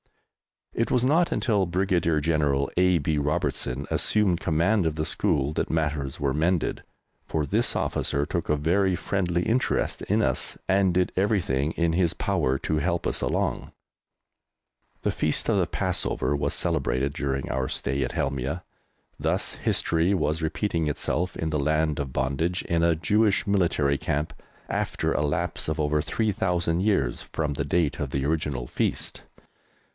It was not until Brigadier General A. B. Robertson assumed command of the school that matters were mended, for this officer took a very friendly interest in us and did everything in his power to help us along. The Feast of the Passover was celebrated during our stay at Helmieh. Thus history was repeating itself in the Land of Bondage in a Jewish Military Camp, after a lapse of over 3,000 years from the date of the original feast.